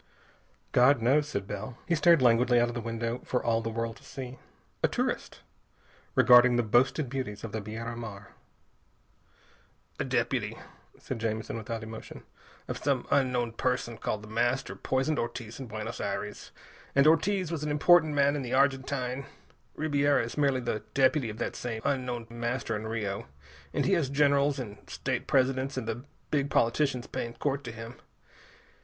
"God knows," said Bell. He stared languidly out of the window, for all the world to see. A tourist, regarding the boasted beauties of the Biera Mar. "A deputy," said Jamison without emotion, "of some unknown person called The Master poisoned Ortiz in Buenos Aires. And Ortiz was an important man in the Argentine. Ribiera is merely the deputy of that same unknown Master in Rio, and he has generals and state presidents and the big politicians paying court to him.